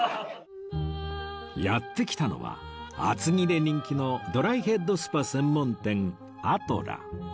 やって来たのは厚木で人気のドライヘッドスパ専門店 ａｔｌａ